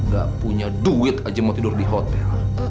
gak punya duit aja mau tidur di hotel